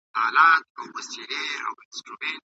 د ستونزو پر ځای حل لارې ولټوئ.